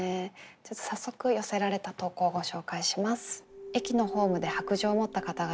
早速寄せられた投稿をご紹介します。